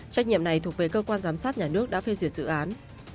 trách nhiệm này thuộc về cơ quan giám sát nhà nước đã phê duyệt dự án